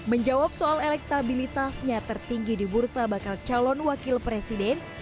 menjawab soal elektabilitasnya tertinggi di bursa bakal calon wakil presiden